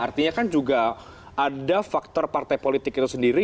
artinya kan juga ada faktor partai politik itu sendiri